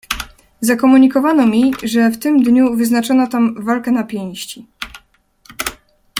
"Zakomunikowano mi, że w tym dniu wyznaczono tam walkę na pięści."